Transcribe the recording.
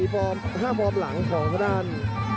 ๕ฟอร์มหลังของทางด้าน